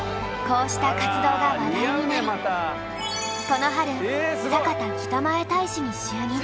こうした活動が話題になりこの春酒田北前大使に就任。